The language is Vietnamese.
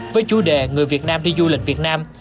với chủ đề người việt nam đi du lịch việt nam